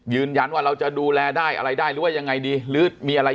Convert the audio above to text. ยืนยันว่าเราจะดูแลได้อะไรได้หรือว่ายังไงดีหรือมีอะไร